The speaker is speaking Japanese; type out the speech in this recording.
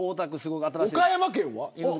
岡山県は。